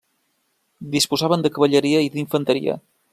Disposaven de cavalleria i d'infanteria.